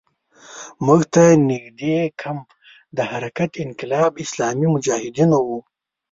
موږ ته نږدې کمپ د حرکت انقلاب اسلامي مجاهدینو وو.